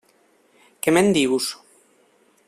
Què me'n dius?